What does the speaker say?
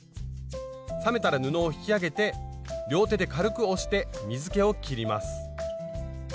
冷めたら布を引き上げて両手で軽く押して水けをきります。